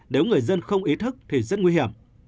nếu người dân không ý thức thì rất nguy hiểm